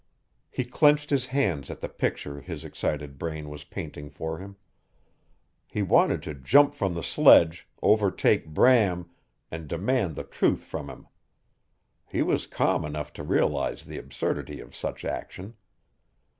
He clenched his hands at the picture his excited brain was painting for him. He wanted to jump from the sledge, overtake Bram, and demand the truth from him. He was calm enough to realize the absurdity of such action.